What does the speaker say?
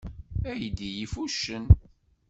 Aydi yif uccen?